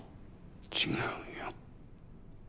違うよ。